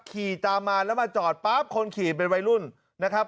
ขี่ตามมาแล้วมาจอดปั๊บคนขี่เป็นวัยรุ่นนะครับ